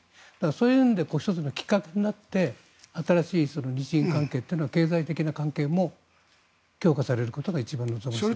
そういうので１つのきっかけとなって新しい日印関係の経済的な関係も強化されることが一番望ましいです。